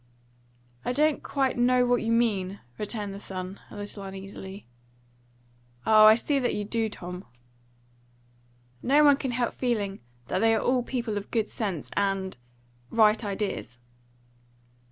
"I don't quite know what you mean," returned the son, a little uneasily. "Ah, I see that you do, Tom." "No one can help feeling that they are all people of good sense and right ideas."